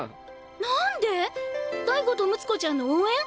なんで⁉大吾と睦子ちゃんの応援？